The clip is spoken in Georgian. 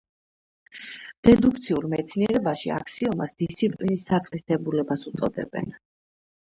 დედუქციურ მეცნიერებაში აქსიომას დისციპლინის საწყის დებულებას უწოდებენ.